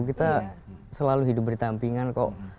kita selalu hidup berdampingan kok